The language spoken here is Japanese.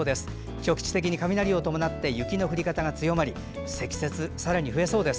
局地的に雷を伴って雪の降り方が強まり積雪、さらに増えそうです。